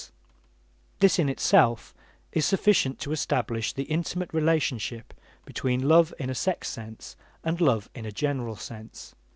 This in itself is sufficient to establish the intimate relationship between love in a sex sense and love in a general sense.